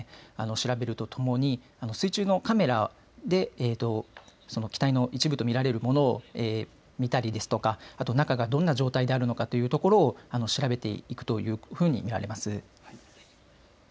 調べるとともに水中のカメラで機体の一部と見られるものを見たりですとかあと中がどんな状態であるのかというところを調べていくというふうに見られます。